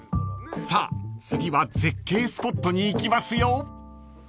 ［さあ次は絶景スポットに行きますよ］